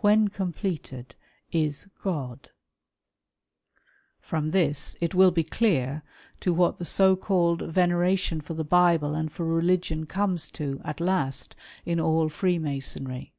when completed, is God !" From this it will be clear, to what the so called veneration for the Bible and for religion comes to, at last, in all Freemasonry.